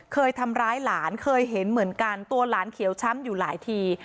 เคยทำร้ายหลานเคยเห็นเหมือนกันตัวหลานเขียวช้ำอยู่หลายที